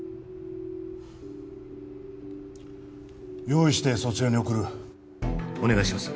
用意してそちらに送るお願いします